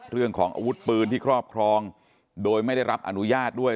เรื่องของอาวุธปืนที่ครอบครองโดยไม่ได้รับอนุญาตด้วย